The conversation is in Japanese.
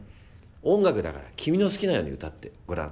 「音楽だから君の好きなように歌ってごらん。